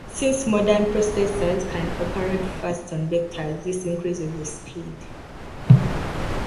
Since modern processors can operate fast on vectors this increases the speed.